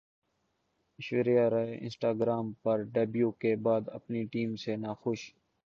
Aishwarya Rai Instagram پر debut کے بعد اپنی ٹیم سے ناخوش